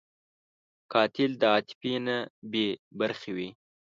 قاتل د عاطفې نه بېبرخې وي